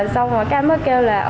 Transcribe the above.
xong rồi cái anh mới kêu là